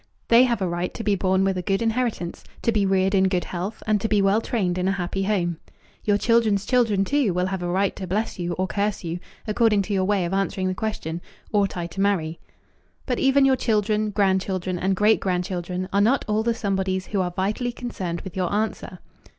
They have a right to be born with a good inheritance, to be reared in good health, and to be well trained in a happy home. Your children's children, too, will have a right to bless you or curse you, according to your way of answering the question, "Ought I to marry?" But even your children, grandchildren, and great grandchildren are not all the somebodies who are vitally concerned with your answer.